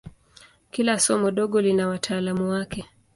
Kila somo dogo lina wataalamu wake.